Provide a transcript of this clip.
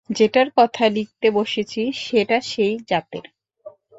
যেটার কথা লিখতে বসেছি সেটা সেই জাতের।